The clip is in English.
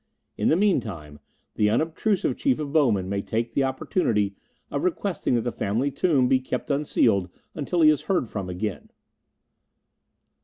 In the meantime, the unobtrusive Chief of Bowmen may take the opportunity of requesting that the family tomb be kept unsealed until he is heard from again."